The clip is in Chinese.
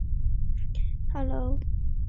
后由吴棐彝接任。